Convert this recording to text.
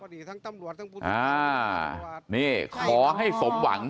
อ๋อนี่ขอให้สมหวัง